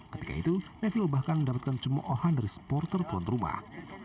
ketika itu nevil bahkan mendapatkan cemohan dari supporter tuan rumah